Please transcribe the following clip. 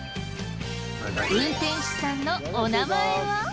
運転手さんのお名前は？